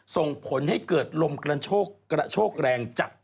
ส่งผลให้เกิดลมกระโชกแรงจัด